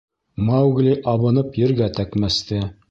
Маугли абынып ергә тәкмәсте.